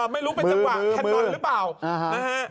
ไม่รู้เป็นจังหวะถนนหรือเปล่านะฮะ